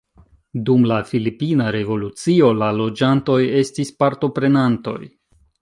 Dum la filipina revolucio la loĝantoj estis partoprenantoj.